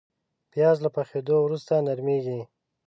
پیاز له پخېدو وروسته نرمېږي